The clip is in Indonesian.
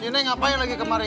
neng ngapain lagi kemari